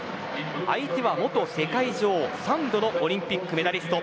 相手は元世界女王３度のオリンピックメダリスト